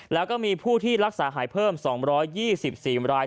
แล้วก็มีผู้ที่รักษาหายเพิ่ม๒๒๔ราย